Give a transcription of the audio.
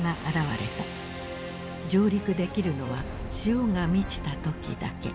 上陸できるのは潮が満ちた時だけ。